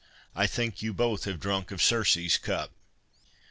I think you both have drunk of Circe's cup.